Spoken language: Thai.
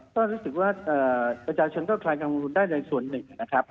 ก็รู้สึกว่าประชาชนก็คลายกังวลได้ในส่วนหนึ่งนะครับ